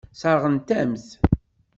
Sseṛɣent-am-t.